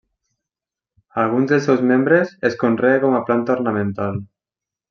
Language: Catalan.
Alguns dels seus membres es conrea com planta ornamental.